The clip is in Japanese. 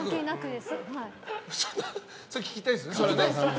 それ聞きたいですね。